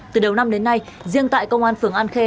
từ đầu năm đến nay riêng tại công an phường an khê